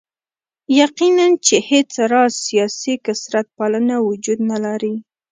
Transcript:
یقیناً چې هېڅ راز سیاسي کثرت پالنه وجود نه لري.